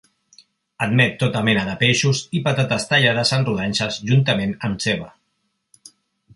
Admet tota mena de peixos i patates tallades en rodanxes juntament amb ceba.